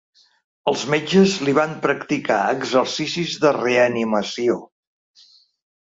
Els metges li van practicar exercicis de reanimació.